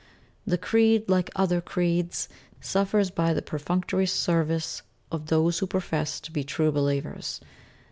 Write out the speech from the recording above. The creed, like other creeds, suffers by the perfunctory service of those who profess to be true believers.